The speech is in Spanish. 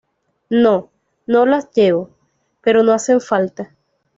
no, no los llevo, pero no hacen falta.